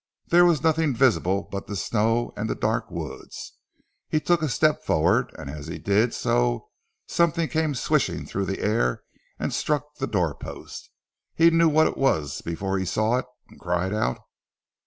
There was nothing visible but the snow, and the dark woods. He took a step forward, and as he did so something came swishing through the air and struck the door post. He knew what it was before he saw it, and cried out.